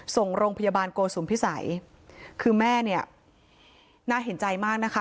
ส่งโรงพยาบาลโกสุมพิสัยคือแม่เนี่ยน่าเห็นใจมากนะคะ